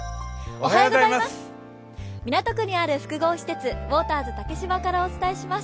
港区にある複合施設、ウォーターズ竹芝からお伝えします。